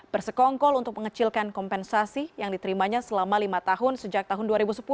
bersekongkol untuk mengecilkan kompensasi yang diterimanya selama lima tahun sejak tahun dua ribu sepuluh